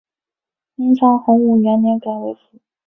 明朝洪武元年改为府。